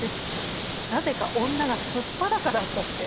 なぜか女が素っ裸だったって。